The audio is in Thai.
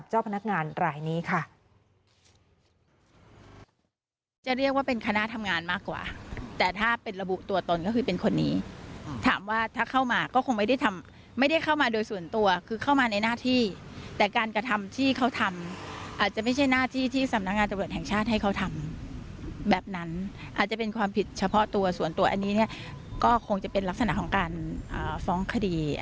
จะเรียกว่าเป็นคณะทำงานมากกว่าแต่ถ้าเป็นระบุตัวตนก็คือเป็นคนนี้ถามว่าถ้าเข้ามาก็คงไม่ได้ทำไม่ได้เข้ามาโดยส่วนตัวคือเข้ามาในหน้าที่แต่การกระทำที่เขาทำอาจจะไม่ใช่หน้าที่ที่สำนักงานตรวจแห่งชาติให้เขาทำแบบนั้นอาจจะเป็นความผิดเฉพาะตัวส่วนตัวอันนี้เนี่ยก็คงจะเป็นลักษณะของการฟ้องคด